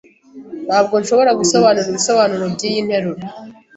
Ntabwo nshobora gusobanura ibisobanuro byiyi nteruro.